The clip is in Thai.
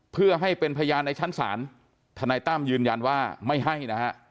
เพื่อให้เป็นพยานในชั้นศาลทนายตั้มยืนยันว่าไม่ให้นะฮะ